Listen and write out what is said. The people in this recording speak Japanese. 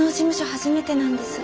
初めてなんですが。